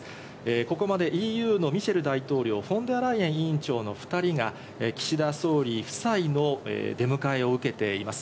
ここまでＥＵのミシェル大統領、フォン・デア・ライエン委員長の２人が岸田総理夫妻の出迎えを受けています。